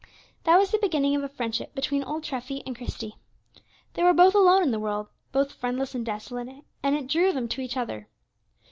That was the beginning of a friendship between old Treffy and Christie. They were both alone in the world, both friendless and desolate, and it drew them to each other.